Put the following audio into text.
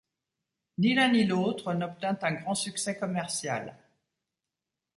Ni l'un ni l'autre n'obtint un grand succès commercial.